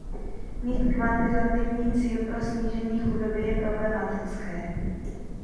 Mít kvantitativní cíl pro snížení chudoby je problematické.